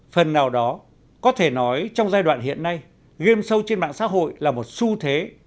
phần nào đó có thể nói trong giai đoạn hiện nay game show trên mạng xã hội là một xu thế